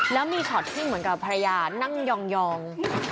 แล้วมีช็อตที่เหมือนกับภรรยานั่งยอง